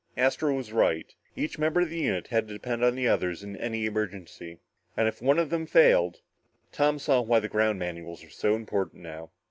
Astro was right. Each member of the unit had to depend on the other in any emergency. And if one of them failed...? Tom saw why the ground manuals were so important now.